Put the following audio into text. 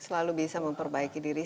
selalu bisa memperbaiki diri